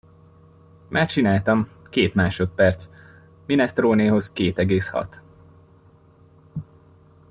Már csináltam, két másodperc, minestronéhoz két egész hat.